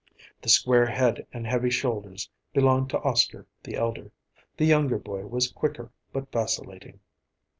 The square head and heavy shoulders belonged to Oscar, the elder. The younger boy was quicker, but vacillating.